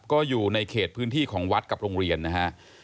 ก็อยู่ในเขตพื้นที่ของวัดกับโรงเรียนนะฮะ